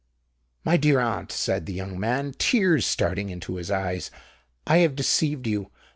"My dear aunt," said the young man, tears starting into his eyes, "I have deceived you!